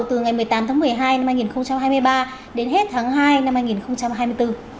từ ngày một mươi tám tháng một mươi hai năm hai nghìn hai mươi ba đến hết tháng hai năm hai nghìn hai mươi bốn